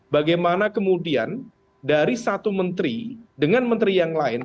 bagaimana kemudian dari satu menteri dengan menteri yang lain